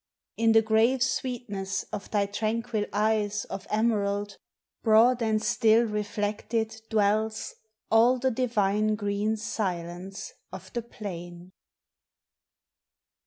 Jn the grave sweetness of tliy tranquil eyes Of emerald, broad and still reflected dwells All the divine green silence of the plain.